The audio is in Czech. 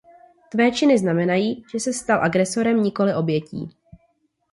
Tvé činy znamenají, že ses stal agresorem, nikoli obětí.